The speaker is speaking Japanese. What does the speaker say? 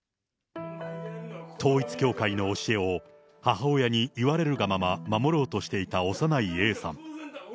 統一教会の教えを母親に言われるがまま守ろうとしていた幼いＡさん。